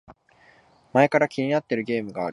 前から気になってるゲームがある